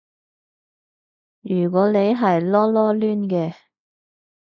如果你係囉囉攣嘅